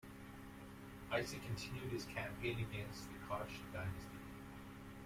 Isa continued his campaign against the Koch dynasty.